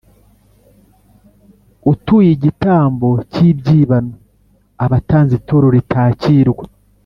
Utuye igitambo cy’ibyibano aba atanze ituro ritakirwa,